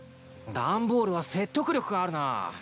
ダンボールは説得力があるな。